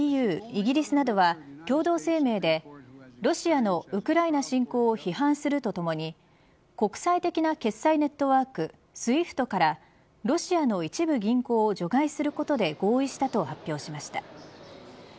イギリスなどは共同声明でロシアのウクライナ侵攻を批判するとともに国際的な決済ネットワークＳＷＩＦＴからロシアの一部銀行を除外することで合意したと発表しました。